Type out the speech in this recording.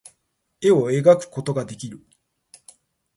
絵描くことができる